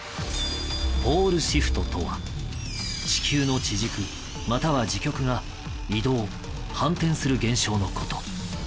ポールシフトとは地球の地軸または磁極が移動反転する現象のこと。